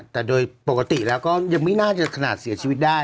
แต่โดยปกติแล้วก็ยังไม่น่าจะขนาดเสียชีวิตได้